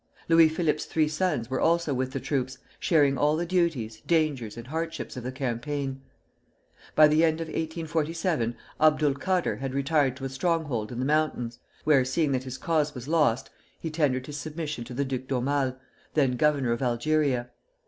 Louis Philippe's three sons were also with the troops, sharing all the duties, dangers, and hardships of the campaign. By the end of 1847 Abdul Kader had retired to a stronghold in the mountains, where, seeing that his cause was lost, he tendered his submission to the Duc d'Aumale, then governor of Algeria.